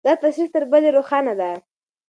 دا تشریح تر بلې روښانه ده.